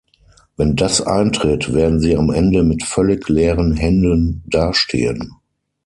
Wenn das eintritt, werden sie am Ende mit völlig leeren Händen dastehen.